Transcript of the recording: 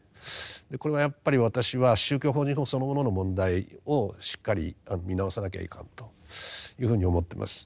これはやっぱり私は宗教法人法そのものの問題をしっかり見直さなきゃいかんというふうに思ってます。